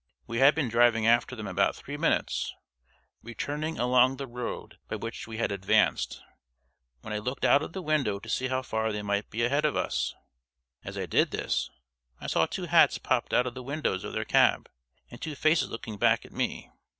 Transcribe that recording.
We had been driving after them about three minutes (returning along the road by which we had advanced) when I looked out of the window to see how far they might be ahead of us. As I did this, I saw two hats popped out of the windows of their cab, and two faces looking back at me.